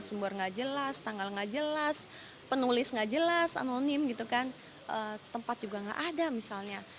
sumber tidak jelas tanggal tidak jelas penulis tidak jelas anonim tempat juga tidak ada misalnya